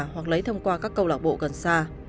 hoặc lấy thông qua các cầu lạc bộ cần xa